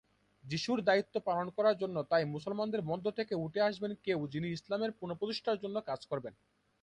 যীশুর দায়িত্ব পালন করার জন্য তাই মুসলমানদের মধ্য থেকে উঠে আসবেন কেউ যিনি ইসলামের পুনঃপ্রতিষ্ঠার জন্য কাজ করবেন।